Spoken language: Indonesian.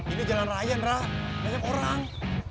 ini jalan raya ntar banyak orang